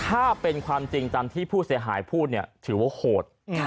ถ้าเป็นความจริงตามที่ผู้เสียหายพูดเนี่ยถือว่าโหด